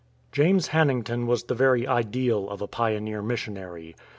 James Hannington was the very ideal of a pioneer missionary.